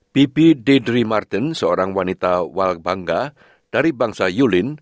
bibi dedri martin seorang wanita walbangga dari bangsa yulin